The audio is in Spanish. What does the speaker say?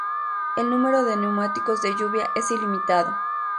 El número de Neumáticos de lluvia es ilimitado.